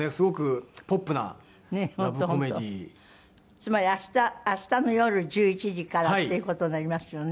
つまり明日明日のよる１１時からっていう事になりますよね。